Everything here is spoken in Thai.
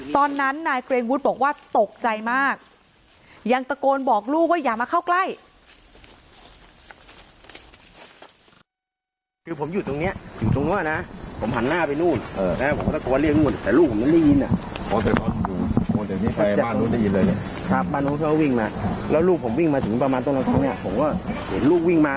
ตอนนั้นนายเกรงวุฒิบอกว่าตกใจมากยังตะโกนบอกลูกว่าอย่ามาเข้าใกล้